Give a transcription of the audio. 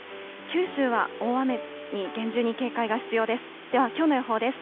九州は大雨に厳重に警戒が必要です。